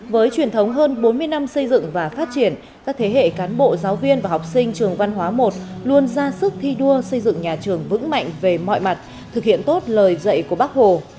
với truyền thống hơn bốn mươi năm xây dựng và phát triển các thế hệ cán bộ giáo viên và học sinh trường văn hóa một luôn ra sức thi đua xây dựng nhà trường vững mạnh về mọi mặt thực hiện tốt lời dạy của bác hồ